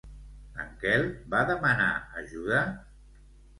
En Quel va demanar ajuda?